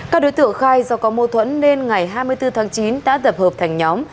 các đối tượng khai do có mâu thuẫn nên ngày hai mươi bốn tháng chín đã tập hợp thành nhóm